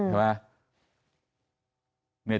ใช่ไหม